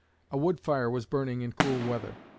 A wood fire was burning in cool weather.